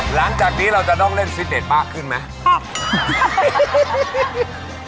หลังจากนี้เราจะลองเล่นซิดเนตป๊ะขึ้นไหม